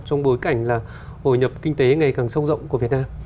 trong bối cảnh là hồi nhập kinh tế ngày càng sâu rộng của việt nam